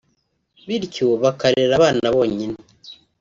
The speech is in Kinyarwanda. bityo bakarera abana bonyine